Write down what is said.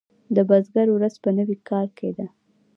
د بزګر ورځ په نوي کال کې ده.